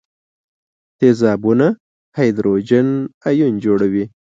تیزابونه هایدروجن ایون جوړوي.